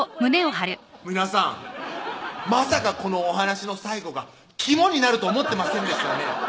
皆さんまさかこのお話の最後が肝になると思ってませんでしたね